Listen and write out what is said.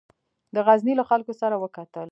د غزني له خلکو سره وکتل.